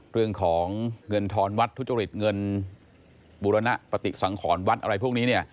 เรื่องของเงินทอนวัดทุจริตเงินบุรณปฏิสังขรวัดอะไรพวกนี้เนี่ย